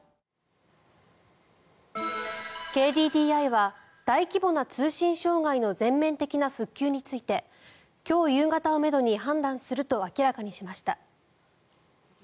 ＫＤＤＩは大規模な通信障害の全面的な復旧について今日夕方をめどに判断すると明らかにしました。